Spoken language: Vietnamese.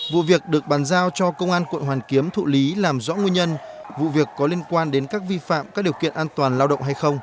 vụ việc được bàn giao cho công an quận hoàn kiếm thụ lý làm rõ nguyên nhân vụ việc có liên quan đến các vi phạm các điều kiện an toàn lao động hay không